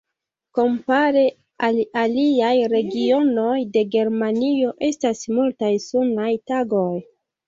Kompare al aliaj regionoj de Germanio estas multaj sunaj tagoj.